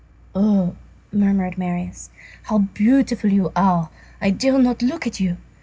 "Oh!" murmured Marius, "how beautiful you are! I dare not look at you.